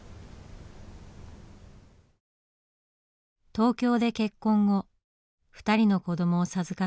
東京で結婚後２人の子どもを授かった由美さん。